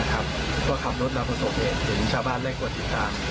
ก็ขับรถมาประสบเหตุถึงชาวบ้านเร่งกดติดตาม